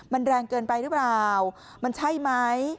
มันแรงเกินไปหรือเปล่ามันใช่ไหม